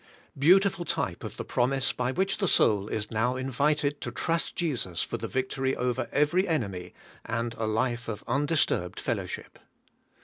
Beautiful type of the promise by which the soul is now invited to trust Jesus for the victory over every enemy, and a life of undisturbed fellowship.